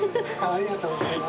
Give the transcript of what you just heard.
ありがとうございます。